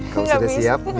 kamu sudah siap